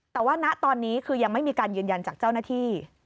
แต่ว่าณตอนนี้คือยังไม่มีการยืนยันจากเจ้าหน้าที่